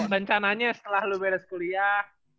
rencananya setelah lu beres kuliah